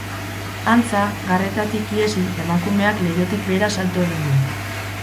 Antza, garretatik ihesi, emakumeak leihotik behera salto egin du.